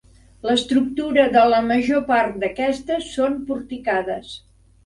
L'estructura de la major part d'aquestes són porticades.